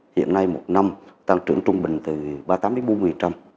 hiện nay một năm tăng trưởng trung bình từ ba mươi tám bốn mươi trăm